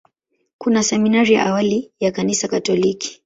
Kuna seminari ya awali ya Kanisa Katoliki.